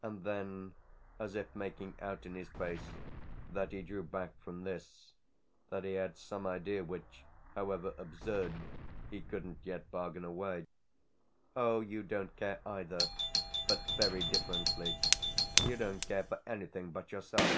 And then as if making out in his face that he drew back from this, that he had some idea which, however absurd, he couldn't yet bargain away: "Oh you don't care either but very differently: you don't care for anything but yourself."